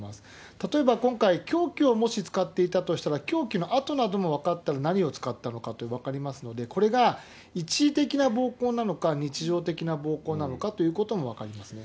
例えば今回、凶器をもし使っていたとすれば、凶器の跡なども分かったら何を使ったのかとか分かりますので、これが一時的な暴行なのか、日常的な暴行なのかということも分かりますね。